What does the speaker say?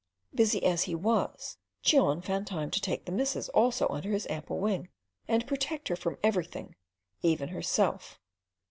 Busy as he was, Cheon found time to take the missus also under his ample wing, and protect her from everything—even herself.